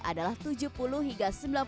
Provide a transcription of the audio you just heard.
adalah tujuh puluh hingga sembilan puluh sembilan